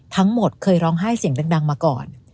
ทั้งหมดเคยร้องไห้เสียงดังมาก่อน